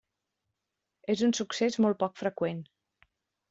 És un succés molt poc freqüent.